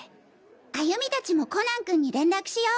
歩美達もコナン君に連絡しよ！